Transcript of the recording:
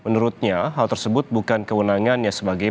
menurutnya hal tersebut bukan untuk membuatnya terlalu berat